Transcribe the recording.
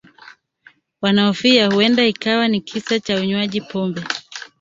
wanahofia huenda ikawa ni kisa cha unywaji pombe